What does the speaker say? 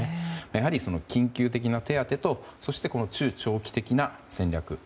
やはり、緊急的な手当てとそして中長期的な戦略を